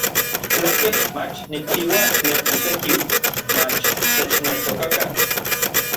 Tlakej mach nikchiua tlen itekiu, mach techneltokakan.